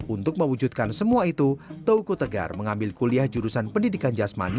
untuk mewujudkan semua itu toko tegar mengambil kuliah jurusan pendidikan jasmani